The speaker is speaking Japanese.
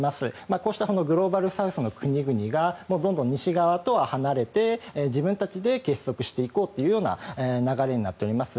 こうしたグローバルサウスの国々がどんどん西側とは離れて自分たちで結束していこうというような流れになっております。